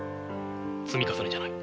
積み重ねじゃない。